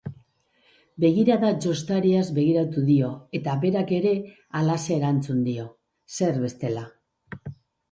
Begirada jostariaz begiratu dio eta berak ere halaxe erantzun dio, zer bestela.